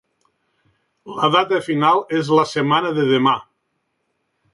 La data final és la setmana de demà